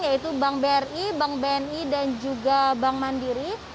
yaitu bank bri bank bni dan juga bank mandiri